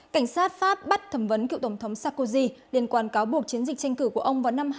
cảnh sát pháp bắt thẩm vấn cựu tổng thống sarkozy liên quan cáo buộc chiến dịch tranh cử của ông vào năm hai nghìn một mươi